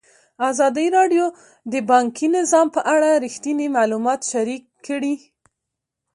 ازادي راډیو د بانکي نظام په اړه رښتیني معلومات شریک کړي.